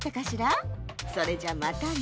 それじゃまたね。